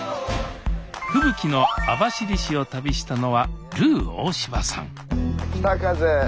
吹雪の網走市を旅したのはルー大柴さん